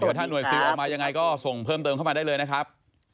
ถ้าหน่วยซิลออกมายังไงก็ส่งเพิ่มเติมเข้ามาได้เลยนะครับ